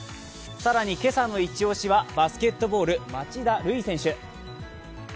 更に、今朝のイチオシはバスケットボール・町田瑠唯選手。